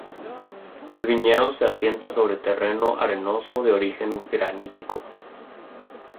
El viñedo se asienta sobre terreno arenoso de origen granítico.